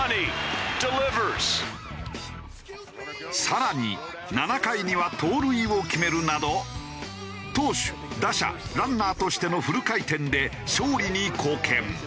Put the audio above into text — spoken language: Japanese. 更に７回には盗塁を決めるなど投手打者ランナーとしてのフル回転で勝利に貢献。